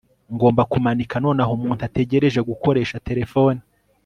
ngomba kumanika nonaha umuntu ategereje gukoresha terefone